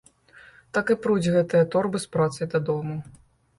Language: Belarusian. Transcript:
Так і пруць гэтыя торбы з працай дадому.